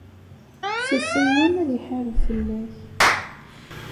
Si Ṣiyun, ad d-iḥareb fell-ak.